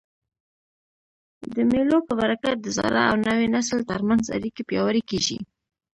د مېلو په برکت د زاړه او نوي نسل تر منځ اړیکي پیاوړي کېږي.